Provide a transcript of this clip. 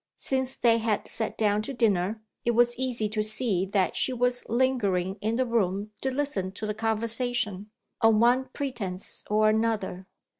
Since they had sat down to dinner, it was easy to see that she was lingering in the room to listen to the conversation, on one pretence or another.